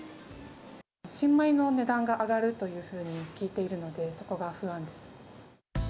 新米の値段が上がるというふうに聞いているので、そこが不安です。